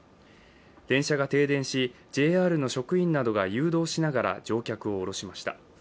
電車が停電し、ＪＲの職員などが誘導しながら乗客を下ろしました。